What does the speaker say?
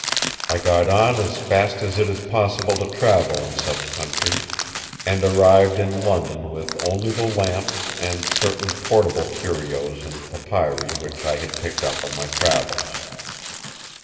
I got on as fast as it is possible to travel in such countries; and arrived in London with only the lamps and certain portable curios and papyri which I had picked up on my travels.